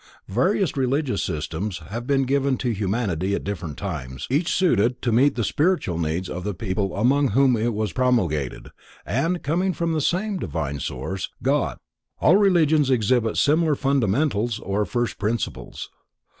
_ Various religious systems have been given to humanity at different times, each suited to meet the spiritual needs of the people among whom it was promulgated, and, coming from the same divine source:—God, all religions exhibit similar fundamentals or first principles.